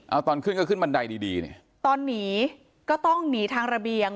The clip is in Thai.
เอาตอนขึ้นก็ขึ้นบันไดดีดีเนี่ยตอนหนีก็ต้องหนีทางระเบียง